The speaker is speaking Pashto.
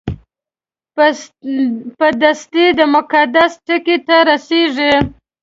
په دستي د مقصد ټکي ته رسېږي.